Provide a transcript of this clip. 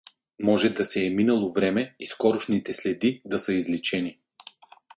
Може да се е минало време и скорошните следи да са изличени.